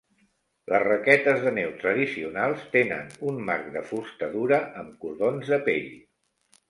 Les raquetes de neu tradicionals tenen un marc de fusta dura amb cordons de pell.